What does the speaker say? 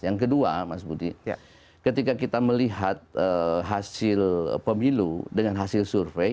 yang kedua mas budi ketika kita melihat hasil pemilu dengan hasil survei